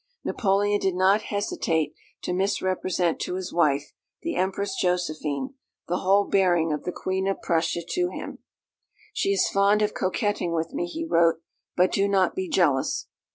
Napoleon did not hesitate to misrepresent to his wife, the Empress Josephine, the whole bearing of the Queen of Prussia to him: "She is fond of coquetting with me," he wrote; "but do not be jealous."